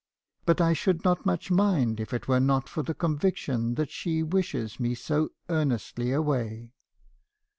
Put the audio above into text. But I should not much mind if it were not for the conviction that she wishes me so earnestly away.